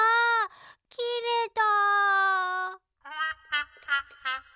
きれた。